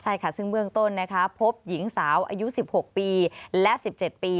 ใช่ค่ะซึ่งเบื้องต้นนะคะพบหญิงสาวอายุ๑๖ปีและ๑๗ปี